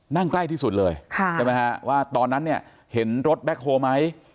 นั่งใกล้ที่สุดเลยใช่ไหมฮะว่าตอนนั้นเนี่ยเห็นรถแบ็คโฮลไหม